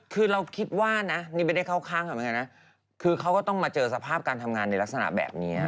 คือเราคิดว่านะนี่ไม่ได้เข้าข้างเขาเหมือนกันนะคือเขาก็ต้องมาเจอสภาพการทำงานในลักษณะแบบนี้